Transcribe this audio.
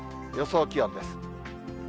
予想気温です。